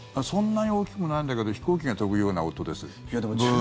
そんなに大きくもないんだけど飛行機が飛ぶような音です。